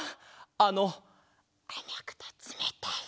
あのあまくてつめたい。